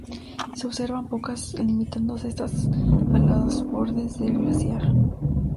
Se observan pocas, limitándose estas a los bordes del glaciar.